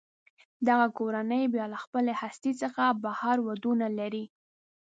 دغه کورنۍ بیا له خپلې هستې څخه بهر ودونه لري.